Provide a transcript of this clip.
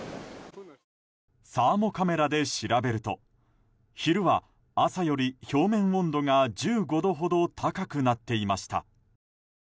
サーモカメラで調べると昼は、朝より表面温度が１５度ほど高くなっていました。